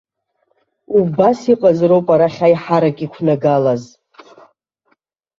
Убас иҟаз роуп арахь аиҳарак иқәнагалаз.